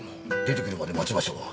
出てくるまで待ちましょう。